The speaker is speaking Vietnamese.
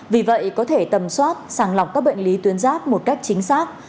vì vậy có thể tầm soát sàng lọc các bệnh lý tuyến giáp một cách chính xác